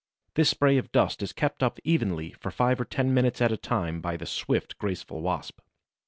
This spray of dust is kept up evenly for five or ten minutes at a time by the swift, graceful Wasp.